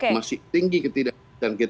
masih tinggi ketidakpastian